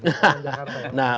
nah oleh karena itu